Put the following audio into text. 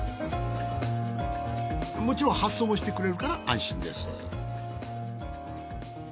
もちろん発送もしてくれるから安心です。